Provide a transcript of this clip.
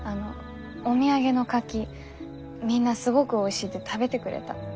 お土産のカキみんなすごくおいしいって食べてくれた。